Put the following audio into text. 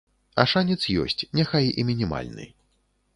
А шанец ёсць, няхай і мінімальны.